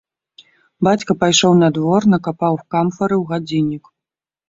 Бацька пайшоў на двор, накапаў камфары ў гадзіннік.